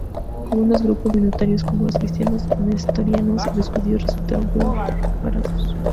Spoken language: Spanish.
Algunos grupos minoritarios, como los cristianos nestorianos y los judíos resultaron peor parados.